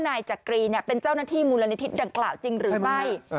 นายจักรีเป็นเจ้าหน้าที่มูลนิธิดังกล่าวจริงหรือไม่